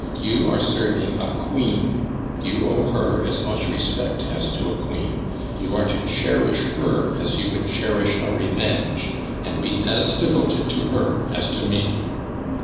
You are serving a queen; you owe her as much respect as to a queen; you are to cherish her as you would cherish a revenge, and be as devoted to her as to me.